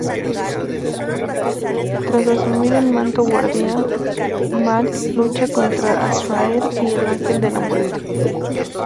Tras asumir el manto "Guardián", "Mal" lucha contra Azrael, el Ángel de la Muerte.